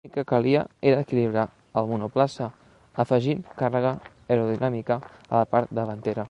L’únic que calia era equilibrar el monoplaça afegint càrrega aerodinàmica a la part davantera.